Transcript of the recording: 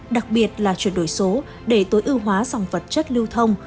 đặc biệt là chuyển đổi số để tối ưu hóa dòng vật chất lưu thông